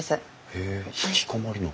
へえ引きこもりの。